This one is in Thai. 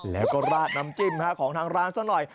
แล้วก็ราดน้ำจิ้มของทางร้านซะหน่อย